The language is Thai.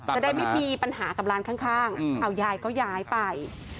จะได้ไม่มีปัญหากับร้านข้างเอายายก็ย้ายไป